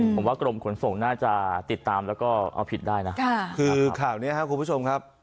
ผมว่ากรมขนส่งน่าจะติดตามแล้วก็เอาผิดได้นะคือข่าวนี้ครับคุณผู้ชมครับ